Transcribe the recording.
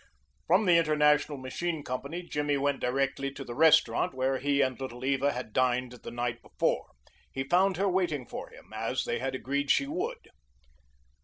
From the International Machine Company Jimmy went directly to the restaurant where he and Little Eva had dined the night before. He found her waiting for him, as they had agreed she would.